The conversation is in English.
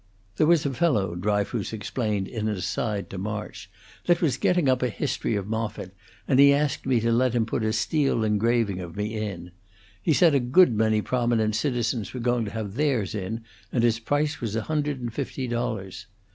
"There was a fellow," Dryfoos explained, in an aside to March, "that was getting up a history of Moffitt, and he asked me to let him put a steel engraving of me in. He said a good many prominent citizens were going to have theirs in, and his price was a hundred and fifty dollars.